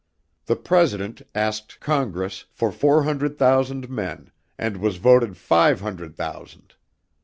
The President asked Congress for four hundred thousand men and was voted five hundred thousand.